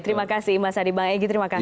terima kasih mas adi bang egy terima kasih